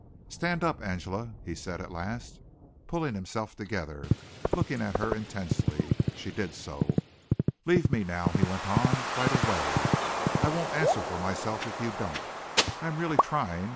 "Stand up, Angela," he said at last, pulling himself together, looking at her intensely. She did so. "Leave me now," he went on, "right away! I won't answer for myself if you don't. I am really trying.